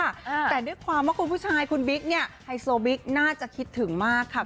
แต่ด้วยความว่าคุณผู้ชายคุณบิ๊กเนี่ยไฮโซบิ๊กน่าจะคิดถึงมากค่ะ